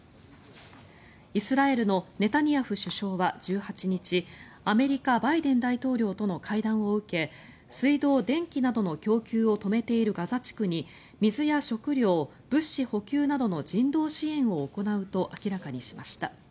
イスラエルのネタニヤフ首相は１８日アメリカ、バイデン大統領との会談を受け水道、電気などの供給を止めているガザ地区に水や食料、物資補給などの人道支援を行うと明らかにしました。